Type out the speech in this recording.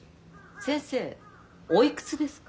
先生おいくつですか？